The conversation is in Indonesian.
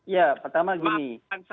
ya pertama gini